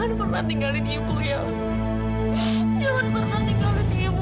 jangan pernah tinggalkan ibu amira